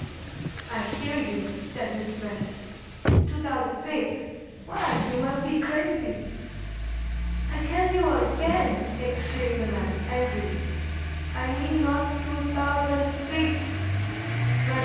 "I hear you," said Mr. Bent; "two thousand pigs! Why, you must be crazy." "I tell you again," exclaimed the man, angrily, "I mean not two thouthand pigth, but two thowth and two pigth!"